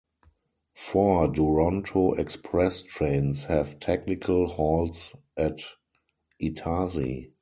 Four Duronto Express trains have technical halts at Itarsi.